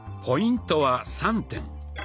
ポイントは３点。